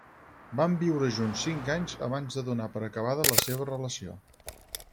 Van viure junts cinc anys abans de donar per acabada la seva relació.